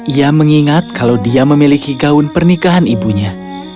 ia mengingat kalau dia memiliki gaun pernikahan ibunya